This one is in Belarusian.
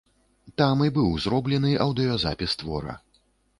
Там і быў зроблены аўдыёзапіс твора.